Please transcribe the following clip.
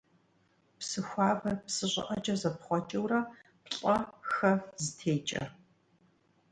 Псы хуабэр псы щӀыӀэкӀэ зэпхъуэкӀыурэ, плӀэ-хэ зытекӀэ.